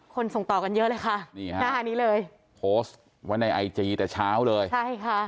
ส่งต่อกันเยอะเลยค่ะนี่ฮะหน้านี้เลยโพสต์ไว้ในไอจีแต่เช้าเลยใช่ค่ะ